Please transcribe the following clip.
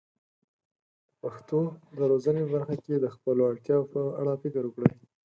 د پښتو د روزنې په برخه کې د خپلو اړتیاوو په اړه فکر وکړي.